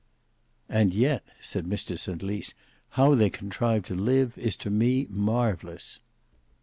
"And yet," said Mr St Lys, "how they contrive to live is to me marvellous."